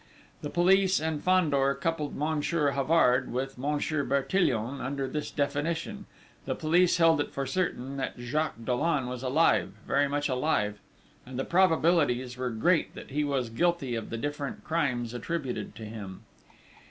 The police and Fandor coupled Monsieur Havard with Monsieur Bertillon under this definition; the police held it for certain that Jacques Dollon was alive, very much alive, and the probabilities were great that he was guilty of the different crimes attributed to him.